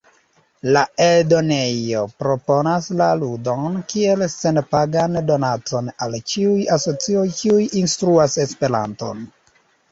La eldonejo proponas la ludon kiel senpagan donacon al ĉiuj asocioj kiuj instruas Esperanton.